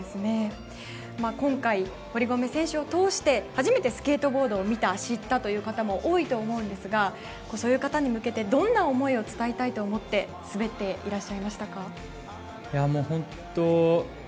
今回、堀米選手を通して初めてスケートボードを見た、知ったという方も多いと思うんですがそういう方に向けてどんな思いを伝えたいと思って滑っていらっしゃいましたか？